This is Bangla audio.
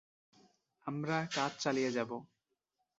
আমরা কাজ চালিয়ে যাবো।